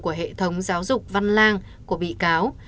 của hệ thống giáo dục văn lang của bị cáo